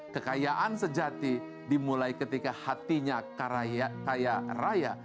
kekayaan sejati dimulai ketika hatinya kaya raya